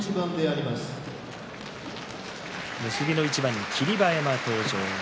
結びの一番に霧馬山登場。